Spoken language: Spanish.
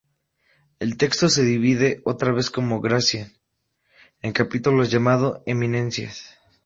El texto se divide, otra vez como Gracián, en capítulos llamados "eminencias.